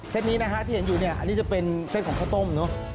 เซ็ตนี้ที่เห็นอยู่นี่จะเป็นเซ็ตของข้าวต้ม